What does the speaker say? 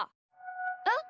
えっ？